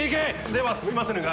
ではすみませぬが。